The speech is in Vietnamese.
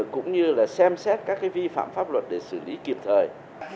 cũng như là xem xét các vi phạm pháp luật để xử lý kịp thời